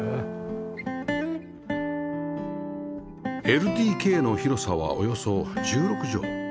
ＬＤＫ の広さはおよそ１６畳